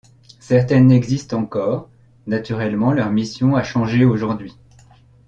Certaines existent encore, naturellement leur mission a changé aujourd'hui.